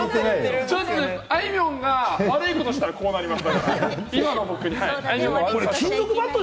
あいみょんが悪いことしたらこうなります。